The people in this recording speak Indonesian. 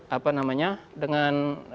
apa namanya dengan